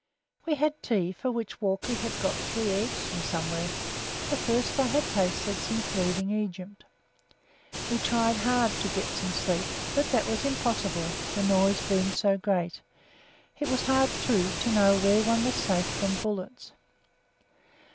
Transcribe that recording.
We had tea for which Walkley had got three eggs from somewhere, the first I had tasted since leaving Egypt. We tried to get some sleep, but that was impossible, the noise being so great; it was hard, too, to know where one was safe from bullets.